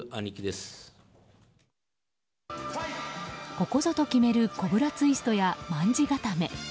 ここぞと決めるコブラツイストや卍固め。